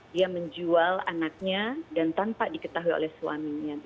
dia menjual anaknya dan tanpa diketahui oleh suaminya